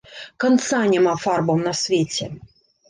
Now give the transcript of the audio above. Канца няма фарбам на свеце.